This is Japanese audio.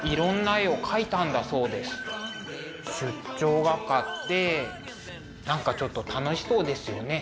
出張画家って何かちょっと楽しそうですよね。